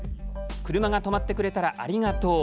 車が止まってくれたら「ありがとう」。